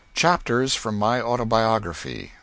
CHAPTERS FROM MY AUTOBIOGRAPHY.